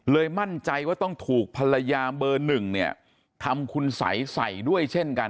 มั่นใจว่าต้องถูกภรรยาเบอร์หนึ่งเนี่ยทำคุณสัยใส่ด้วยเช่นกัน